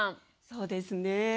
そうですねえ。